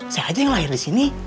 saya aja yang lahir disini